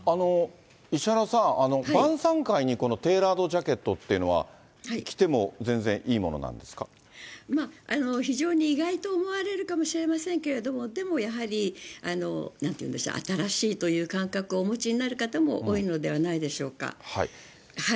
石原さん、晩さん会にこのテーラードジャケットというのは、着ても、全然い非常に意外と思われるかもしれませんけれども、でもやはり、なんていうんでしょう、新しいという感覚をお持ちになる方も多いのではないでしょうか。